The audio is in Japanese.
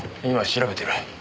今調べてる。